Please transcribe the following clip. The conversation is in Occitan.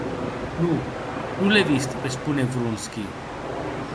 Non, non l'è vist, responec Vronsky.